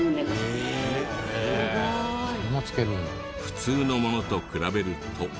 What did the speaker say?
普通のものと比べると。